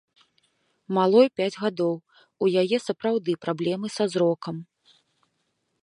Малой пяць гадоў, у яе сапраўды праблемы са зрокам.